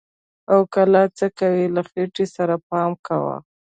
و کلاله څه کوې، له خټې سره پام کوه!